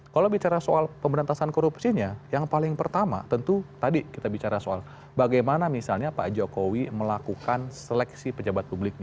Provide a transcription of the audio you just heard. kalau bicara soal pemberantasan korupsinya yang paling pertama tentu tadi kita bicara soal bagaimana misalnya pak jokowi melakukan seleksi pejabat publiknya